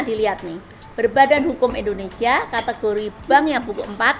dilihat nih berbadan hukum indonesia kategori bank yang buku empat